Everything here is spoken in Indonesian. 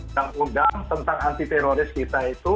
undang undang tentang anti teroris kita itu